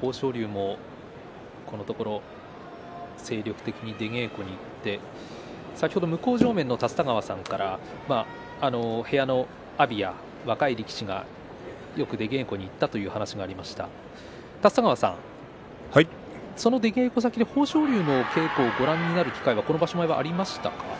豊昇龍もこのところ精力的に出稽古に行って向正面の立田川さんから部屋の阿炎や若い力士がよく出稽古に行ったという話をしていましたけども、立田川さん出稽古先で豊昇龍の稽古をご覧になる機会がありましたか。